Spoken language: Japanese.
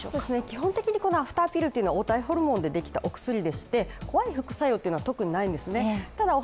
基本的にこのアフターピルというのは黄体ホルモンというもので作られたお薬でして、怖い副作用というのは特にないんですね。